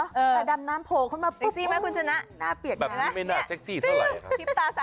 แต่ดำน้ำโผล่เข้ามาปุ้งหน้าเปียกมากแบบนี้ไม่น่าเซ็กซี่เท่าไรครับ